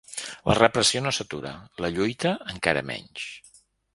La repressió no s'atura; la lluita, encara menys.